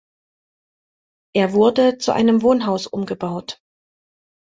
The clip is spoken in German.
Er wurde zu einem Wohnhaus umgebaut.